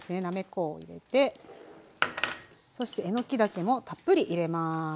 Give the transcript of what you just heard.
なめこを入れてそしてえのきだけもたっぷり入れます。